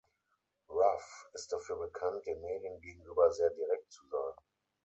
Ruff ist dafür bekannt, den Medien gegenüber sehr direkt zu sein.